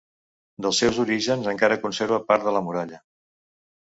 Dels seus orígens encara conserva part de la muralla.